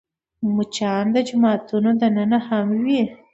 مچان د جوماتونو دننه هم وي